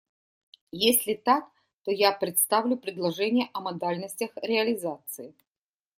Если так, то я представлю предложение о модальностях реализации.